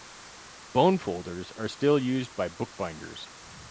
Bone folders are still used by bookbinders.